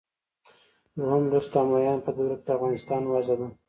دویم لوست د امویانو په دوره کې د افغانستان وضع ده.